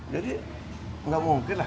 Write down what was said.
jadi nggak mungkin lah